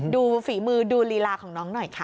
ฝีมือดูลีลาของน้องหน่อยค่ะ